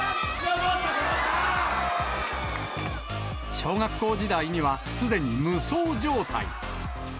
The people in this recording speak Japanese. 小学校時代にはすでに無双状態。